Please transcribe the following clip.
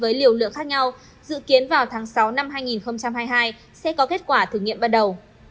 với liều lượng khác nhau dự kiến vào tháng sáu năm hai nghìn hai mươi hai sẽ có kết quả thử nghiệm ban đầu